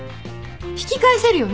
引き返せるよね。